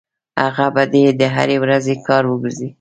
هغه به دې د هرې ورځې کار وګرځي.